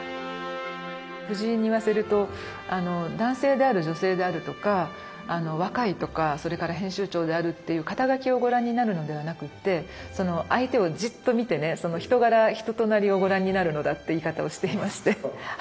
男性である女性であるとか若いとかそれから編集長であるっていう肩書をご覧になるのではなくって相手をじっと見てねその人柄人となりをご覧になるのだって言い方をしていましてはい。